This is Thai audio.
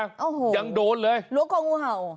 โอ้โหยังโดนเลยล้วงคองูเห่า